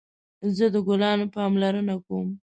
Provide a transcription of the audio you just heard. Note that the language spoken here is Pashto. زه د ګلانو پاملرنه کوم